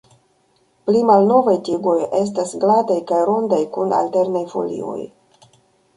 Pli malnovaj tigoj estas glataj kaj rondaj kun alternaj folioj.